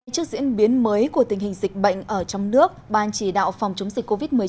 trước diễn biến mới của tình hình dịch bệnh ở trong nước ban chỉ đạo phòng chống dịch covid một mươi chín